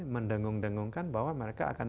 mendengung dengungkan bahwa mereka akan